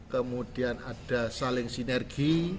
kemudian ada saling sinergi